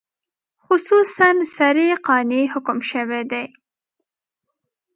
خصوصاً صریح قاطع حکم شوی دی.